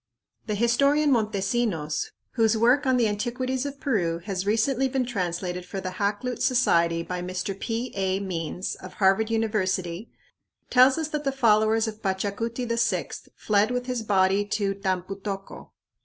The historian Montesinos, whose work on the antiquities of Peru has recently been translated for the Hakluyt Society by Mr. P. A. Means, of Harvard University, tells us that the followers of Pachacuti VI fled with his body to "Tampu tocco."